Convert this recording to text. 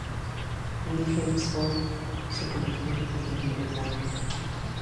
Wilhelm Solf se convirtió en el primer gobernador.